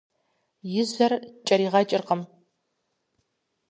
И жьэр ткӀэригъэкӀыркъым.